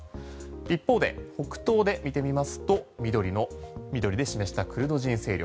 一方で北東で見てみますと緑で示したクルド人勢力。